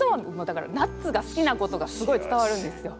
だからナッツが好きなことがすごい伝わるんですよ。